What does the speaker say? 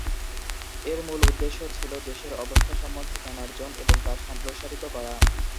এর মূল উদ্দেশ্য ছিল দেশের অবস্থা সম্বন্ধে জ্ঞানার্জন এবং তা সম্প্রসারিত করা।